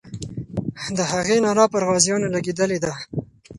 د هغې ناره پر غازیانو لګېدلې ده.